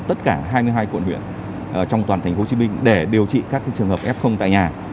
tất cả hai mươi hai quận huyện trong toàn thành phố hồ chí minh để điều trị các trường hợp f tại nhà